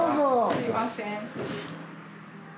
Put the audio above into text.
すいません。